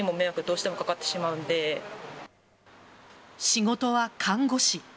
仕事は看護師。